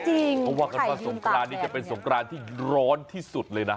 เพราะว่ากันว่าสงกรานนี้จะเป็นสงกรานที่ร้อนที่สุดเลยนะ